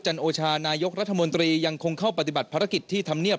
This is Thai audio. โอชานายกรัฐมนตรียังคงเข้าปฏิบัติภารกิจที่ธรรมเนียบ